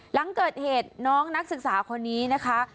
หลังเกิดเหตุน้องนักศึกษาคนนี้นะคะ